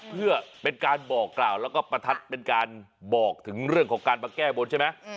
เพื่อเป็นการบอกกล่าวแล้วก็ประทัดเป็นการบอกถึงเรื่องของการมาแก้บนใช่ไหม